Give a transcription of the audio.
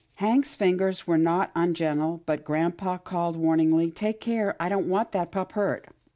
Hank's fingers were not ungentle, but grampa called warningly, " Take care — I don't want that pup hurt."